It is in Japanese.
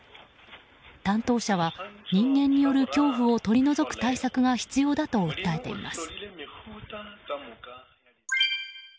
担当者は、人間による恐怖を取り除く対策が必要だと訴えています。